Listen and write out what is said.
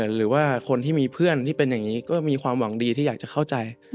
หรือว่าคนที่มีเพื่อนที่เป็นอย่างนี้ก็มีความหวังดีที่อยากจะเข้าใจ